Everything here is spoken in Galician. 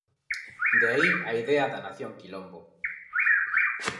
De aí a idea da Nación Quilombo.